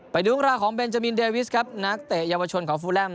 ไปดูเรื่องราวของเบนจามินเดวิสครับนักเตะเยาวชนของฟูแลม